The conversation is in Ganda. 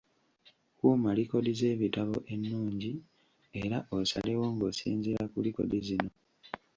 Kuuma likodi z’ebitabo ennungi era osalewo ng’osinziira ku likodi zino.